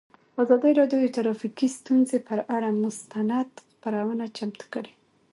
ازادي راډیو د ټرافیکي ستونزې پر اړه مستند خپرونه چمتو کړې.